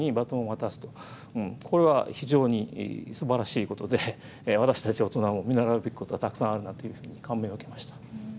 これは非常にすばらしいことで私たち大人も見習うべきことたくさんあるなというふうに感銘を受けました。